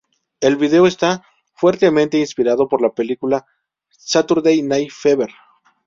El vídeo está fuertemente inspirado por la película Saturday Night Fever.